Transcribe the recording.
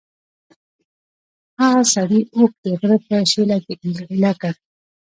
هغه سړي اوښ د غره په شېله کې ایله کړ.